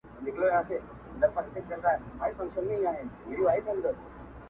اشنـا په دې چــلو دي وپوهـېدم.